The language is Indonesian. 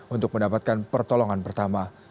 untuk mendapatkan pertolongan pertama